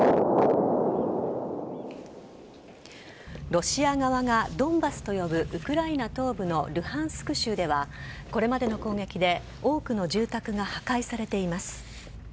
ロシア側がドンバスと呼ぶウクライナ東部のルハンスク州ではこれまでの攻撃で多くの住宅が破壊されています。